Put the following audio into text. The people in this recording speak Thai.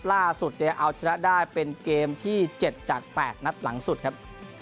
ล่าสุดเอาชนะได้เป็นเกมที่เจ็ดจากแปลกนัดหลังสุดครับ